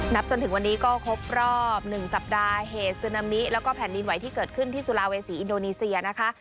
จนถึงวันนี้ก็ครบรอบ๑สัปดาห์เหตุซึนามิแล้วก็แผ่นดินไหวที่เกิดขึ้นที่สุลาเวษีอินโดนีเซียนะคะ